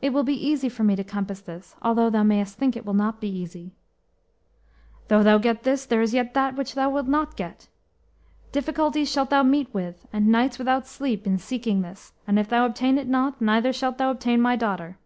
"It will be easy for me to compass this, although thou mayest think it will not be easy." "Though thou get this, there is yet that which thou wilt not get. Difficulties shalt thou meet with, and nights without sleep, in seeking this, and if thou obtain it not, neither shalt thou obtain my daughter."